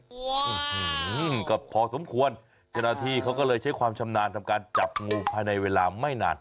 โอ้โหก็พอสมควรเจ้าหน้าที่เขาก็เลยใช้ความชำนาญทำการจับงูภายในเวลาไม่นาน